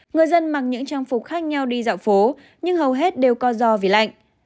người dân mang những trang phục khác nhau đi dạo phố nhưng hầu hết đều co do vì lạnh